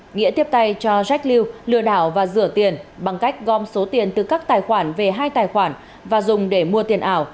nghĩa tiếp tay cho jack lew lừa đảo và rửa tiền bằng cách gom số tiền từ các tài khoản về hai tài khoản và dùng để mua tiền ảo